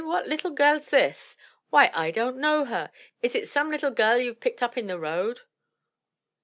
what little gelFs this? Why I don't know her. Is it some little gell you've picked up in the road?"